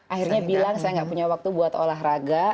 akhirnya bilang saya gak punya waktu buat olahraga